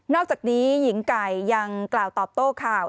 อกจากนี้หญิงไก่ยังกล่าวตอบโต้ข่าว